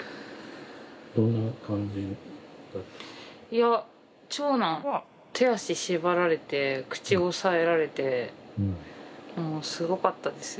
いや長男は手足縛られて口押さえられてもうすごかったですよ。